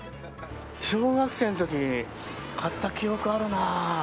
小学生の時に買った記憶あるな。